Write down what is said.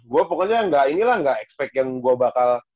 gua pokoknya ini lah gak expect yang gua bakal